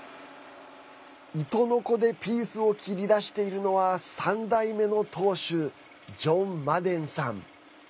糸のこでピースを切り出しているのは３代目の当主ジョン・マデンさん。